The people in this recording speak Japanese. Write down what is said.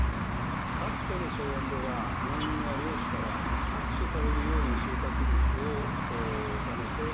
かつての荘園では農民は領主から搾取されるように収穫物を納めて身を守ってもらっていました。